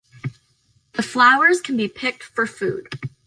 The flowers can be picked for food.